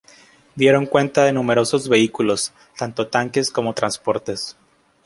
Dieron cuenta de numerosos vehículos, tanto tanques como transportes.